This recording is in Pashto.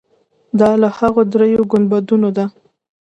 دا له هغو درېیو ګنبدونو ده.